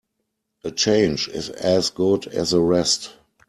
A change is as good as a rest.